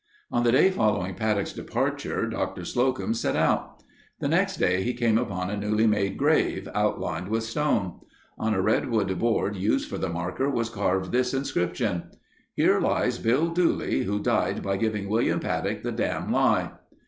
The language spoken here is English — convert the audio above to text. On the day following Paddock's departure Doctor Slocum set out. The next day he came upon a newly made grave, outlined with stone. On a redwood board used for the marker was carved this inscription: _"Here lies Bill Dooley who died by giving Wm. Paddock the dam' lie."